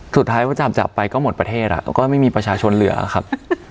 สุดท้ายพอจับไปก็หมดประเทศก็ไม่มีประชาชนเหลือครับ